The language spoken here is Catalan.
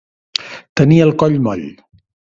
Tenir el coll moll.